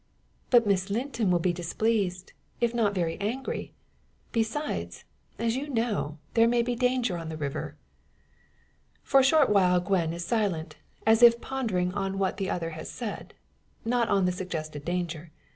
"But Miss Linton will be displeased, if not very angry. Besides, as you know, there may be danger on the river." For a short while Gwen is silent, as if pondering on what the other has said. Not on the suggested danger.